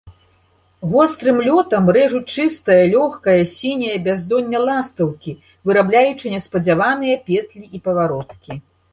Гострым лётам рэжуць чыстае, лёгкае, сіняе бяздонне ластаўкі, вырабляючы неспадзяваныя петлі і павароткі.